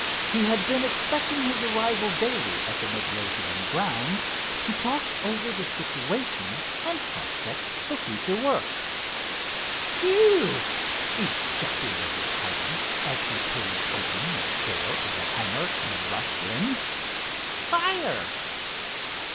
He had been expecting his arrival daily at the Midlothian grounds, to talk over the situation and prospects for future work. "Whew!" ejaculated Hiram, as he pulled open the door of the hangar, and rushed in. "Fire!"